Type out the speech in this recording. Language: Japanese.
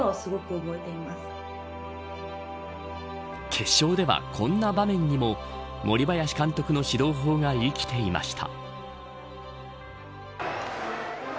決勝ではこんな場面にも森林監督の指導法が生きていました。